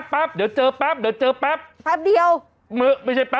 เปิดไฟขอทางออกมาแล้วอ่ะ